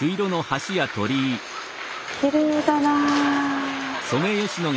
きれいだな。